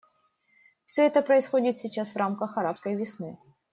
Все это происходит сейчас в рамках «арабской весны».